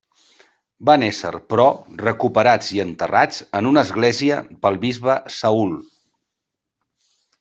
Van ésser, però, recuperats i enterrats en una església pel bisbe Saül.